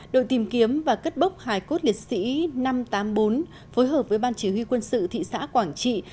đội tìm kiếm và cất bốc hải cốt liệt sĩ năm trăm tám mươi bốn phối hợp với ban chỉ huy quân sự thị xã quảng trị